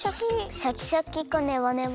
シャキシャキかネバネバ？